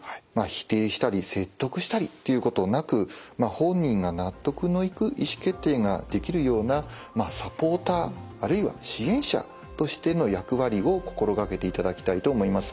否定したり説得したりっていうことなく本人が納得のいく意思決定ができるようなサポーターあるいは支援者としての役割を心掛けていただきたいと思います。